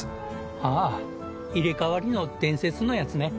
ああ入れ替わりの伝説のやつね